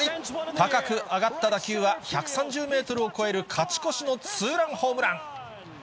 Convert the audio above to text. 高く上がった打球は１３０メートルを超える、勝ち越しのツーランホームラン。